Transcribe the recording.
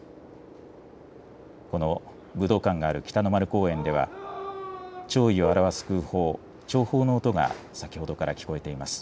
この武道館がある北の丸公園では、弔意を表す空砲、弔砲の音が先ほどから聞こえています。